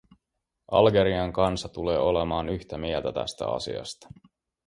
Algerian kansa tulee olemaan yhtä mieltä tästä asiasta.